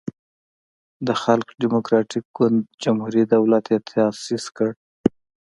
د خلق دیموکراتیک ګوند جمهوری دولت یی تاسیس کړو.